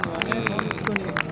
本当に。